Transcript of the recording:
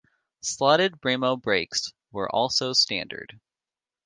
Slotted Brembo brakes were also standard.